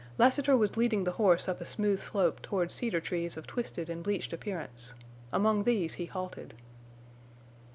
Lassiter was leading the horse up a smooth slope toward cedar trees of twisted and bleached appearance. Among these he halted.